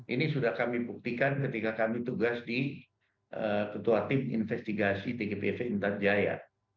ini sudah kami buktikan ketika kami tugas di ketua tim investigasi tgpv intan jaya